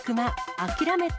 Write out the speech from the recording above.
諦めて？